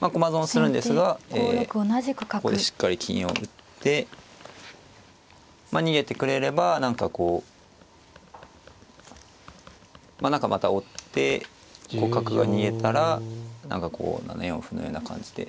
まあ駒損するんですがここでしっかり金を打ってまあ逃げてくれれば何かこう何かまた追ってこう角が逃げたら何かこう７四歩のような感じで。